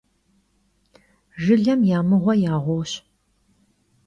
Jjılem ya mığue ya ğuoş.